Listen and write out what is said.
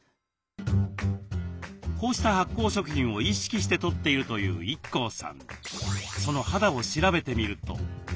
こうした発酵食品を意識してとっているというＩＫＫＯさん。